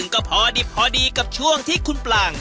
ก็พอดีกับช่วงที่คุณปลัง